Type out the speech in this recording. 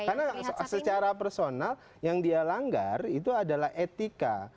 karena secara personal yang dia langgar itu adalah etika